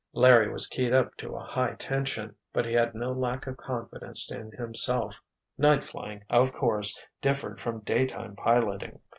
Larry was keyed up to a high tension; but he had no lack of confidence in himself. Night flying, of course, differed from daytime piloting.